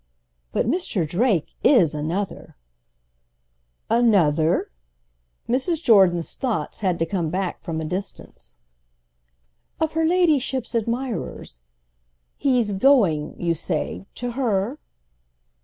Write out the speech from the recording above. "But Mr. Drake is another—?" "Another?"—Mrs. Jordan's thoughts had to come back from a distance. "Of her ladyship's admirers. He's 'going,' you say, to her?"